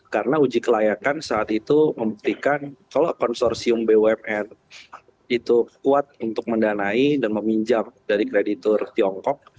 karena uji kelayakan saat itu memberikan kalau konsorsium bumn itu kuat untuk mendanai dan meminjam dari kreditur tiongkok